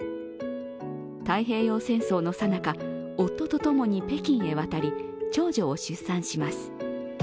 太平洋戦争のさなか、夫共に北京へ渡り、長女を出産します。